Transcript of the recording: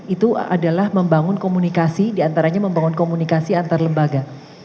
itu adalah membangun komunikasi diantaranya membangun komunikasi antar lembaga